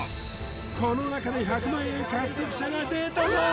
この中で１００万円獲得者が出たぞー！